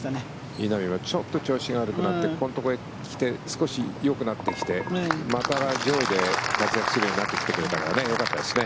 稲見もちょっと調子が悪くなってここのところに来て少しよくなってきてまた上位で活躍してくれるようになったからよかったですね。